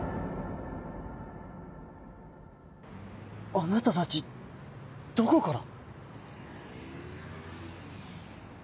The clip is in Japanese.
あなたたちどこから？